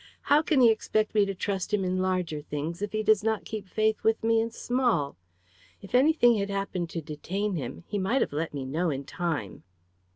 How can he expect me to trust him in larger things, if he does not keep faith with me in small? If anything had happened to detain him, he might have let me know in time."